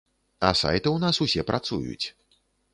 А сайты ў нас усе працуюць.